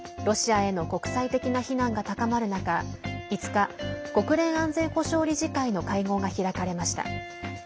ロシアへの国際的な非難が高まる中５日、国連安全保障理事会の会合が開かれました。